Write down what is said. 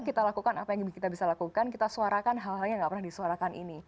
kita lakukan apa yang kita bisa lakukan kita suarakan hal hal yang tidak pernah disuarakan ini